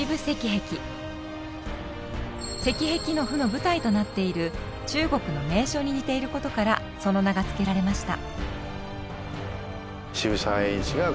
「赤壁賦」の舞台となっている中国の名所に似ていることからその名が付けられました。